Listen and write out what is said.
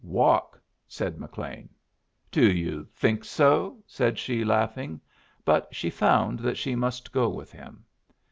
"Walk," said McLean. "Do you think so?" said she, laughing. But she found that she must go with him.